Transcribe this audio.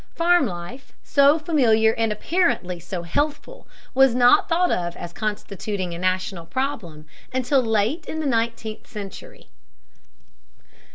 Farm life, so familiar and apparently so healthful, was not thought of as constituting a national problem until late in the nineteenth century.